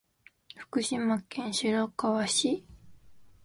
福島県白河市